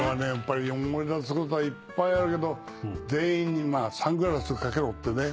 思い出すことはいっぱいあるけど「全員サングラス掛けろ」ってね